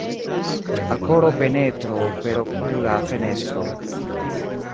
Al koro penetro per okula fenestro.